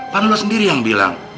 pan lu sendiri yang bilang